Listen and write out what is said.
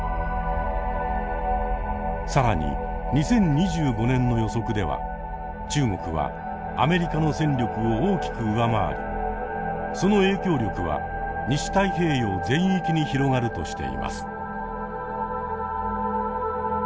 更に２０２５年の予測では中国はアメリカの戦力を大きく上回りその影響力は西太平洋全域に広がるとしています。